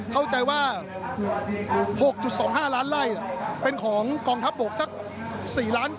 เข้าใจว่าหกจุดสองห้าล้านไล่เป็นของกองทัพบกสักสี่ล้าน